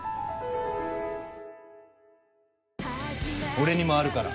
「俺にもあるから。